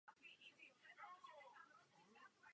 To je v příkrém rozporu s děním v německém parlamentu.